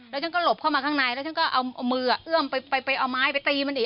แล้วฉันก็หลบเข้ามาข้างในแล้วฉันก็เอามือเอื้อมไปเอาไม้ไปตีมันอีก